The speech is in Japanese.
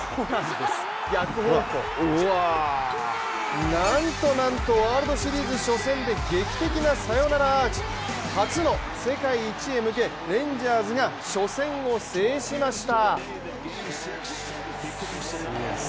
逆方向、なんとなんとワールドシリーズ初戦で劇的なサヨナラアーチ、初の世界一へ向け、レンジャーズが初戦を制しました。